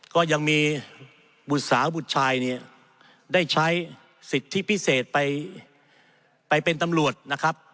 ก็ยังมีบุตรสาวบุตรชายเนี่ยได้ใช้สิทธิพิเศษไปเป็นตำรวจนะครับ